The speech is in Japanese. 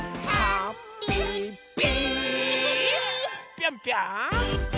ぴょんぴょん！